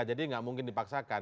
jadi gak mungkin dipaksakan